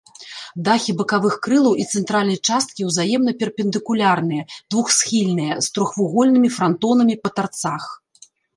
Дахі бакавых крылаў і цэнтральнай часткі ўзаемна перпендыкулярныя, двухсхільныя, з трохвугольнымі франтонамі па тарцах.